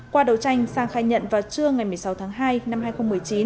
qua đầu tranh sang khai nhận vào trưa ngày một mươi sáu tháng hai năm hai nghìn một mươi chín